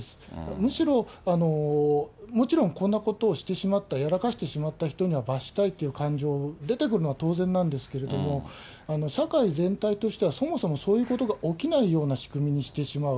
むしろ、もちろん、こんなことをしてしまった、やらかしてしまった人を罰したいという感情、出てくるのは当然なんですけど、社会全体としてはそもそもそういうことが起きないような仕組みにしてしまう。